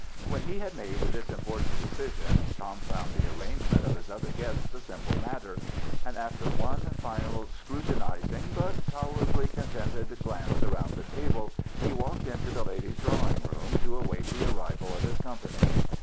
When he had made this important decision Tom found the arrangement of his other guests a simple matter, and after one final scrutiniz ing, but tolerably contented, glance around the table, he walked into the ladies' drawing room to await the arrival of his company.